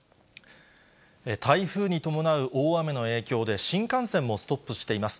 台風に伴う大雨の影響で、新幹線もストップしています。